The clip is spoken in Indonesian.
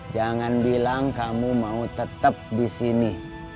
jangan bilang kamu mau tetap di sini